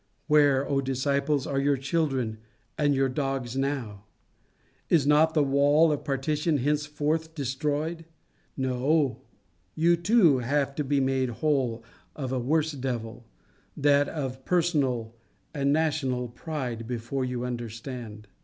Where, O disciples, are your children and your dogs now? Is not the wall of partition henceforth destroyed? No; you too have to be made whole of a worse devil, that of personal and national pride, before you understand.